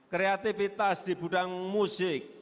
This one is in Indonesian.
kreativitas di budang musik